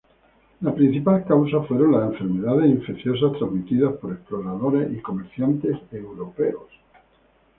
La principal causa fueron las enfermedades infecciosas transmitidas por exploradores y comerciantes europeos.